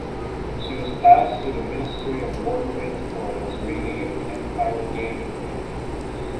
She was passed to the Ministry of War Transport and was renamed "Empire Ganymede".